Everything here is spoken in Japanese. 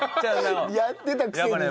やってたくせにね。